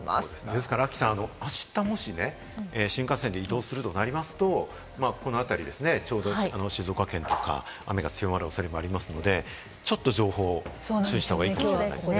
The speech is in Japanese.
ですから亜希さん、もし明日ね、新幹線で移動するとなりますと、このあたりですね、静岡県とか、雨が強まる恐れがありますから、ちょっと情報に注意した方がいいかもしれないですね。